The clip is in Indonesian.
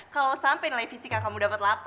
kalau sampai nilai fisika kamu dapat delapan